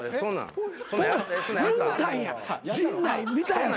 言うたんや陣内見たやろ？